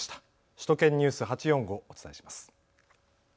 首都圏ニュース８４５をお伝えします。